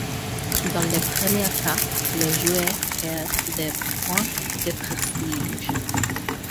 Dans le premier cas, le joueur perd des points de prestige.